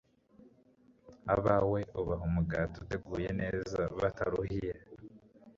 abawe ubaha umugati uteguwe neza bataruhiye